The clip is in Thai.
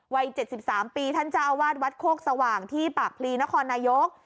วัย๗๓ปีท่านเจ้าอาวาสวัดโคกสว่างที่ปากพลีนครนายก